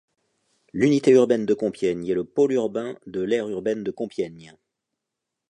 L'unité urbaine de Compiègne est le pôle urbain de l'aire urbaine de Compiègne.